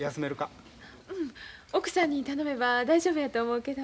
うん奥さんに頼めば大丈夫やと思うけど。